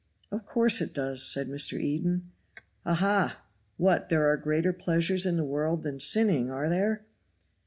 "Of course it does," said Mr. Eden. "Aha! what, there are greater pleasures in the world than sinning, are there?"